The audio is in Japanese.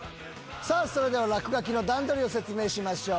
それでは『落書き』の段取りを説明しましょう。